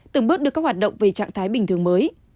từng bước đưa các hoạt động về trạng thái bình thường mới